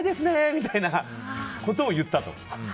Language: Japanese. みたいなことを言ったと。